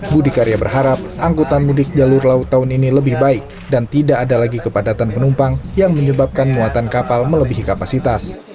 budi karya berharap angkutan mudik jalur laut tahun ini lebih baik dan tidak ada lagi kepadatan penumpang yang menyebabkan muatan kapal melebihi kapasitas